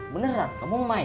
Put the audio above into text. beneran kamu main